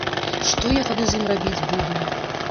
Што я тады з ім рабіць буду.